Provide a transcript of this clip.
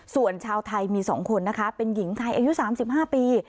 ส่วนชาวไทยมี๒คนนะคะเป็นหญิงไทยอายุ๓๕ปี